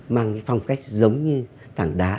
mang phong cách giống như thế này